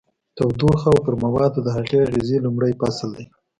تودوخه او پر موادو د هغې اغیزې لومړی فصل دی.